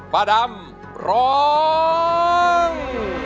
ป้าดำร้อง